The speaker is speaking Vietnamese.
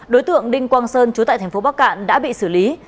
đối tượng đinh quang sơn chú tại thành phố bắc cạn đã bị xử lý